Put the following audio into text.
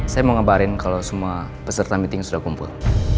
saya mau ngebarin kalau semua peserta meeting sudah kumpul